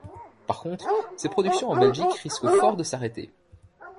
Par contre, ses productions en Belgique risquent fort de s'arrêter.